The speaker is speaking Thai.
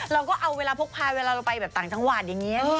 แล้วก็เอาเวลาโพกพายเวลาเราไปต่างจังหวัดอย่างนี้พี่